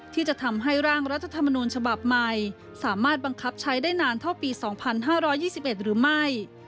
ที่จะทำให้ร่างรัฐธรรมนูญฉบับใหม่สามารถบังคับใช้ได้นานเท่าปี๒๕๒๑หรือไม่